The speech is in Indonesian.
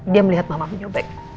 dia melihat mama menyobek